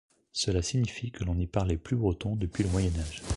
Cela signifie que l'on n'y parlait plus breton depuis le Moyen Âge.